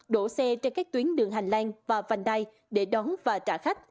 đổ xe trên các tuyến đường hành lan vành đai để đón và trả khách